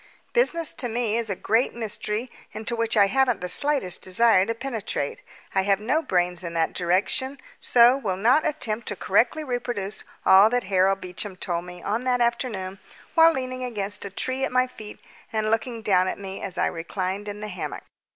Business to me is a great mystery, into which I haven't the slightest desire to penetrate. I have no brains in that direction, so will not attempt to correctly reproduce all that Harold Beecham told me on that afternoon while leaning against a tree at my feet and looking down at me as I reclined in the hammock.